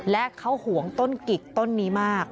และเขาห่วงต้นกิกต้นนี้มาก